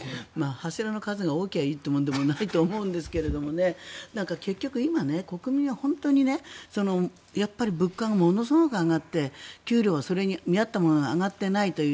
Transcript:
柱の数が多ければいいというものでもないと思いますが結局、今、国民は物価がものすごく上がって給料はそれに見合ったものが上がっていないという。